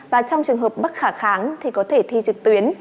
và trong trường hợp bất khả kháng thì có thể thi trực tuyến